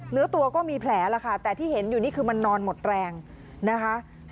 เนื้อตัวก็มีแผลแล้วค่ะแต่ที่เห็นอยู่นี่คือมันนอนหมดแรงนะคะ